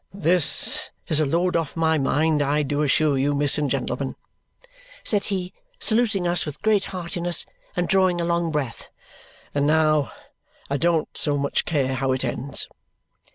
"This is a load off my mind, I do assure you, miss and gentlemen," said he, saluting us with great heartiness and drawing a long breath. "And now I don't so much care how it ends."